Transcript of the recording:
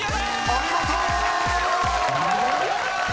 ［お見事！